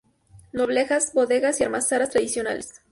Noblejas: Bodegas y almazaras tradicionales.